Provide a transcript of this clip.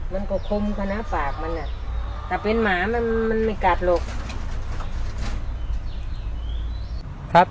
มันก็คมขนาดปากแต่เป็นหมามันไม่กัด